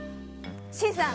新さん。